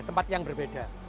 tempat yang berbeda